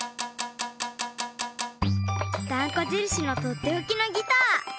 ダンコじるしのとっておきのギター。